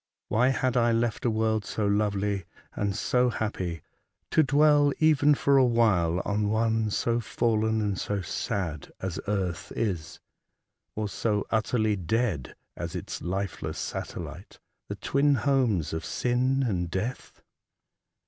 ' Why 'had I left a world so lovely and so happy to dwell, even for a while, on one so fallen and so sad as earth is, or so utterly dead as its lifeless satellite, — the twin homes of sin and death?